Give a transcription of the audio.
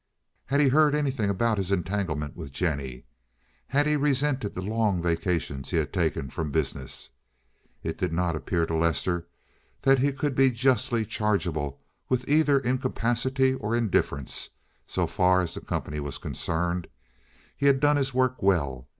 Had he heard anything about his entanglement with Jennie? Had he resented the long vacations he had taken from business? It did not appear to Lester that he could be justly chargeable with either incapacity or indifference, so far as the company was concerned. He had done his work well.